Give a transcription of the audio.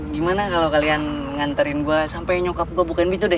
gimana kalau kalian nganterin gue sampe nyokap gue bukain pintu deh